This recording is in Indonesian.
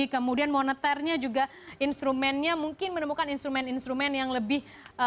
kemudian moneternya juga instrumennya mungkin menemukan instrumen instrumen yang lebih